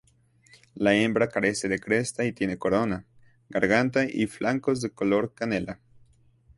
La hembra carece de cresta y tiene corona, garganta y flancos de color canela.